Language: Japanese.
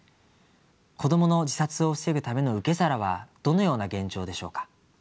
子どもの自殺を防ぐための受け皿はどのような現状でしょうか。